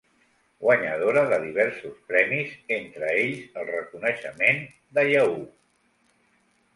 Guanyadora de diversos premis, entre ells el reconeixement de Yahoo!